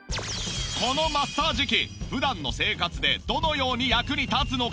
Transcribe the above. このマッサージ機普段の生活でどのように役に立つのか？